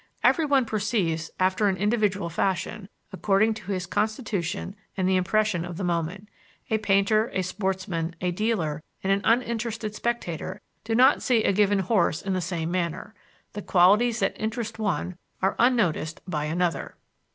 Everyone perceives after an individual fashion, according to his constitution and the impression of the moment. A painter, a sportsman, a dealer, and an uninterested spectator do not see a given horse in the same manner: the qualities that interest one are unnoticed by another.